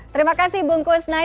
terima kasih bung kusnaini